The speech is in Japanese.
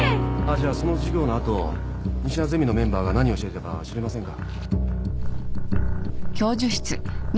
じゃあその授業の後西名ゼミのメンバーが何をしていたか知りませんか？